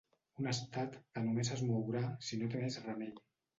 Un estat que només es mourà si no té més remei.